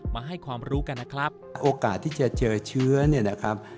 มาให้ความรู้กันนะครับโอกาสที่จะเจอเชื้อเนี่ยนะครับ